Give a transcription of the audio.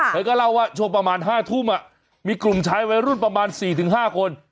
เธอก็เล่าว่าช่วงประมาณ๕ทุ่มมีกลุ่มชายวัยรุ่นประมาณ๔๕คน